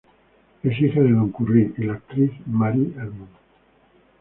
Es hija de Don Currie y la actriz Marie Harmon.